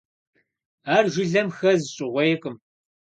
Ар жылэм хэз щӏыгъуейкъым.